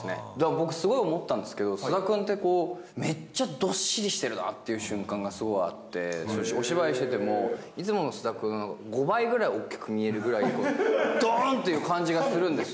僕すごい思ったんですけど、菅田君って、こう、めっちゃどっしりしているなという瞬間がすごいあって、お芝居してても、いつもの菅田君、５倍ぐらい大きく見えるぐらいどーんっていう感じがするんです。